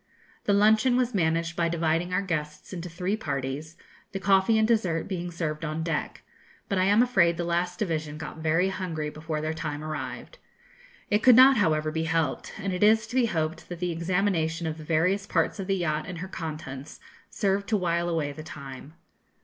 The luncheon was managed by dividing our guests into three parties, the coffee and dessert being served on deck; but I am afraid the last division got very hungry before their time arrived. It could not, however, be helped, and it is to be hoped that the examination of the various parts of the yacht and her contents served to while away the time.